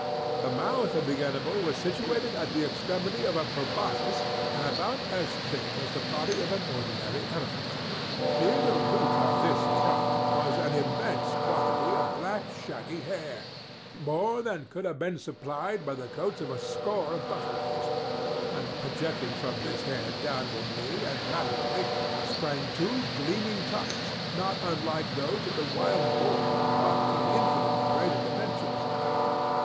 The mouth of the animal was situated at the extremity of a proboscis some sixty or seventy feet in length, and about as thick as the body of an ordinary elephant. Near the root of this trunk was an immense quantity of black shaggy hair—more than could have been supplied by the coats of a score of buffaloes; and projecting from this hair downwardly and laterally, sprang two gleaming tusks not unlike those of the wild boar, but of infinitely greater dimensions.